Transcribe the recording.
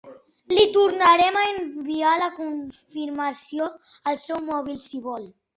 Li tornarem a enviar la confirmació al seu mòbil, si vol.